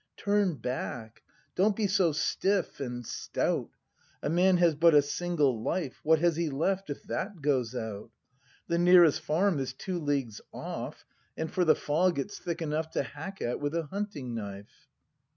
Turn back; don't be so stiff and stout! A man has but a single life; — What has he left if that goes out ? The nearest farm is two leagues off, And for the fog, it's thick enough To hack at with a hunting knife.